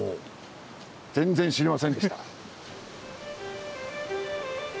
全然知りませんでした。